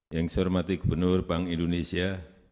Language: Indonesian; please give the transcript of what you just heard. yang saya hormati gubernur bank indonesia